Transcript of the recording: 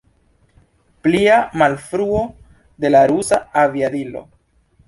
Plia malfruo de la rusa aviadilo.